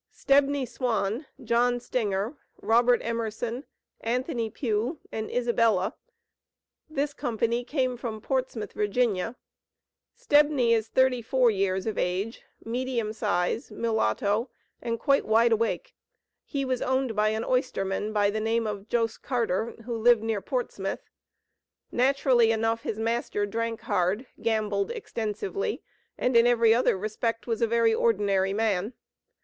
Stebney Swan, John Stinger, Robert Emerson, Anthony Pugh and Isabella . This company came from Portsmouth, Va. Stebney is thirty four years of age, medium size, mulatto, and quite wide awake. He was owned by an oysterman by the name of Jos. Carter, who lived near Portsmouth. Naturally enough his master "drank hard, gambled" extensively, and in every other respect was a very ordinary man.